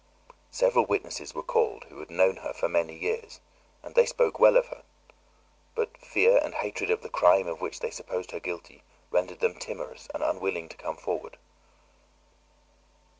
Several witnesses were called who had known her for many years, and they spoke well of her; but fear and hatred of the crime of which they supposed her guilty rendered them timorous and unwilling to come forward.